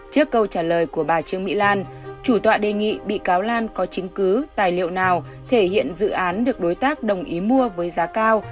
trước câu trả lời của bà trương mỹ lan chủ tọa đề nghị bị cáo lan có chứng cứ tài liệu nào thể hiện dự án được đối tác đồng ý mua với giá cao